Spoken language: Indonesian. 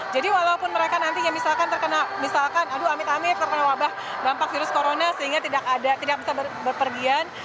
jadi walaupun mereka nantinya misalkan terkena wabah dampak virus corona sehingga tidak bisa berpergian